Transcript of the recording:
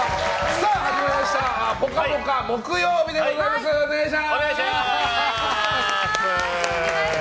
さあ、始まりました「ぽかぽか」木曜日でございます。